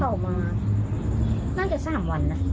เข้ามาน่าจะสามวันนะ